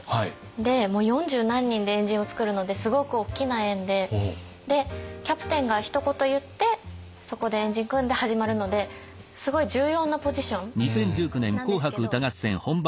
でもう四十何人で円陣を作るのですごく大きな円でキャプテンがひと言言ってそこで円陣組んで始まるのですごい重要なポジションなんですけど。